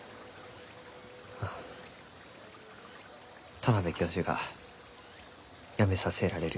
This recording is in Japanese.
田邊教授が辞めさせられるゆうて。